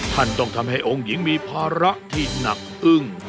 ท่านต้องทำให้องค์หญิงมีภาระที่หนักอึ้ง